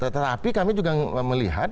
tetapi kami juga melihat